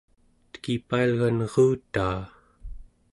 tekipailgan erutaa